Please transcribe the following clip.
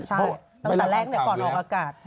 ต้นแต่แรกเดียวปล่อนออกอากาศ